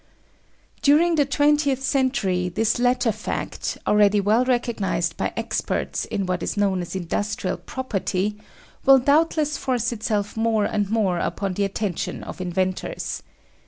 During the twentieth century this latter fact, already well recognised by experts in what is known as industrial property, will doubtless force itself more and more upon the attention of inventors.